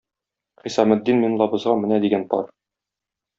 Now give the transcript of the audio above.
Хисаметдин менлабызга менә дигән пар!